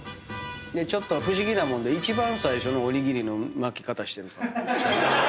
不思議なもんで一番最初のおにぎりの巻き方してる。